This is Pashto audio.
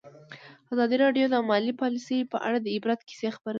ازادي راډیو د مالي پالیسي په اړه د عبرت کیسې خبر کړي.